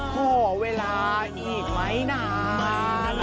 ขอเวลาอีกไหมนาน